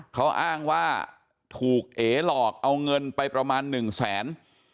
เขาอ้างว่าถูกเอ๋หลอกเอาเงินไปประมาณหนึ่งแสน